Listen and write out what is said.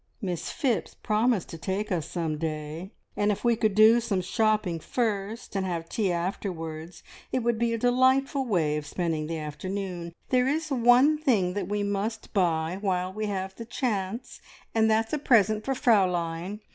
"Miss Phipps promised to take us some day, and if we could do some shopping first, and have tea afterwards, it would be a delightful way of spending the afternoon. There is one thing that we must buy while we have the chance, and that's a present for Fraulein.